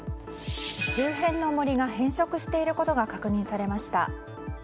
周辺の森が変色していることが確認されました。